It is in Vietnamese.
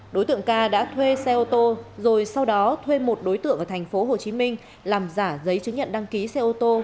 đối tượng ca đã thuê xe ô tô rồi sau đó thuê một đối tượng ở thành phố hồ chí minh làm giả giấy chứng nhận đăng ký xe ô tô